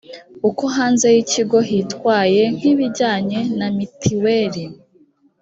uko hanze y ikigo hitwaye nk ibijyanye na mitiweli